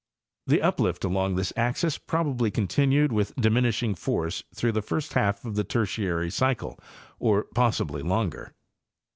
The uplift along this axis probably continued with diminishing force through the first half of the Tertiary cycle or possibly longer.